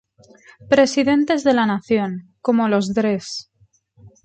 Presidentes de la Nación, como los dres.